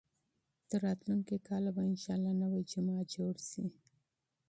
تر راتلونکي کاله به انشاالله نوی جومات جوړ شي.